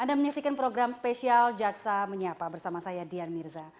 anda menyaksikan program spesial jaksa menyapa bersama saya dian mirza